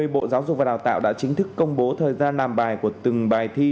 bộ giáo dục và đào tạo đã chính thức công bố thời gian làm bài của từng bài thi